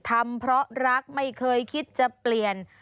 ทำเพราะรักไม่เคยคิดจะเปลี่ยน